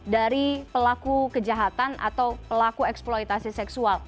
dari pelaku kejahatan atau pelaku eksploitasi seksual